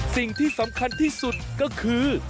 สิ่งที่สำคัญที่สุดก็คือ